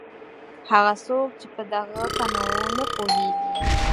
هغه څوک چې په دغه تنوع نه پوهېږي.